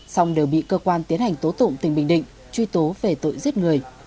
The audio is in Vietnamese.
song đều bị cơ quan tiến hành tố tụng tỉnh bình định truy tố về tội giết người